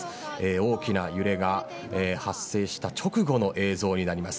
大きな揺れが発生した直後の映像になります。